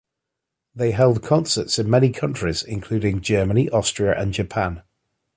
They held concerts in many countries including Germany, Austria, and Japan.